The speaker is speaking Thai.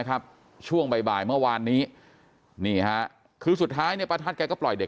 ครับช่วงบ่ายเมื่อวานนี้นี่ฮะคือสุดท้ายเนี่ยประทัดแกก็ปล่อยเด็ก